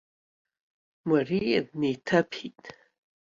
Мариа днеиҭаԥеит.